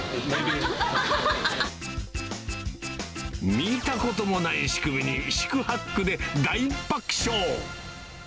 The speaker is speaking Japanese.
見たこともない仕組みに、四苦八苦で大爆笑。